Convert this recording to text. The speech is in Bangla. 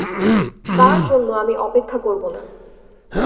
তাঁর জন্য আমি অপেক্ষা করব না।